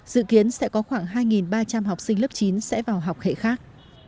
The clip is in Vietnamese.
dự kiến sẽ có khoảng hai ba trăm linh học sinh lớp chín sẽ vào học hệ khác